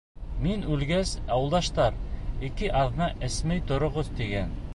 Мин үлгәс, ауылдаштар, ике аҙна эсмәй тороғоҙ, тигән.